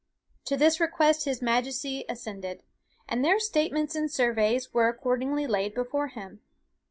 To this request his majesty assented; and their statements and surveys were accordingly laid before him.